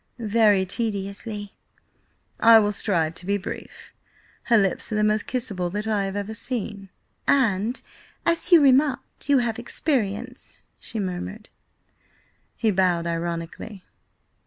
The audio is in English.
"Very tediously." "I will strive to be brief. Her lips are the most kissable that I have ever seen—" "And, as you remarked, you have experience," she murmured. He bowed ironically.